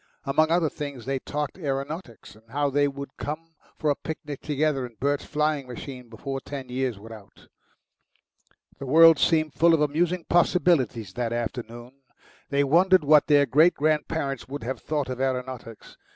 Among other things they talked aeronautics, and how thev would come for a picnic together in Bert's flying machine before ten years were out. The world seemed full of amusing possibilities that afternoon. They wondered what their great grandparents would have thought of aeronautics.